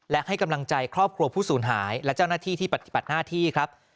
และให้กำลังใจครอบครัวผู้สูญหายและเจ้าหน้าที่ที่ปฏิบัติหน้าที่ครับ